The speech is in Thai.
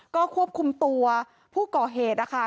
ก็ควบคุมตัวผู้ก่อเหตุนะคะ